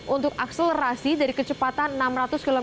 untuk akselerasi dari kecepatan enam ratus km